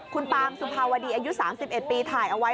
คุณปามสุภาวดีอายุ๓๑ปีถ่ายเอาไว้